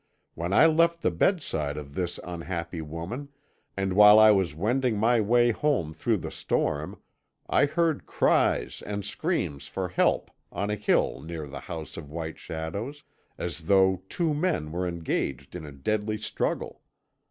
"When I left the bedside of this unhappy woman, and while I was wending my way home through the storm, I heard cries and screams for help on a hill near the House of White Shadows, as though two men were engaged in a deadly struggle.